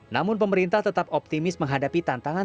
namun pemerintah tetap optimis menghadapi tantangan